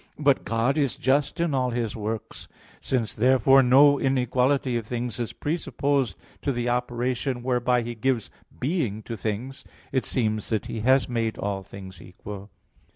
But God is just in all His works. Since, therefore, no inequality of things is presupposed to the operation whereby He gives being to things, it seems that He has made all things equal.